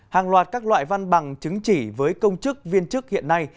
hàng loạt các loại văn bằng chứng chỉ với công chức viên chức hiện nay